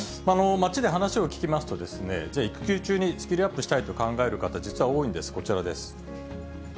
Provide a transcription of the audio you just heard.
街で話を聞きますと、じゃあ、育休中にスキルアップしたいと考える方、実は多いんです、こちらです。